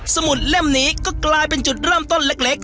สมุดเล่มนี้ก็กลายเป็นจุดเริ่มต้นเล็ก